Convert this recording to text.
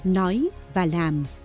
nói và làm